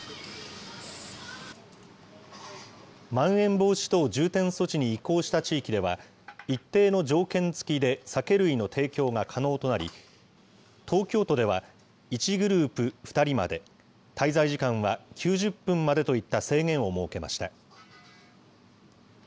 まん延防止等重点措置に移行した地域では、一定の条件付きで酒類の提供が可能となり、東京都では、１グループ２人まで、滞在時間は９０分までといった制限を設けました。